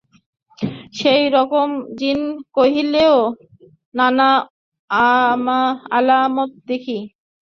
সেই রকম জিন কফিলেরও নানান আলামত দেখি।